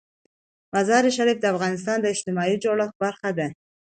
مزارشریف د افغانستان د اجتماعي جوړښت برخه ده.